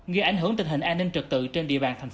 gây ảnh hưởng tình hình an ninh trật tự trên địa bàn tp hcm